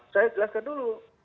saya jelaskan dulu